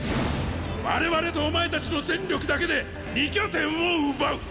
我々とお前たちの戦力だけで二拠点を奪う！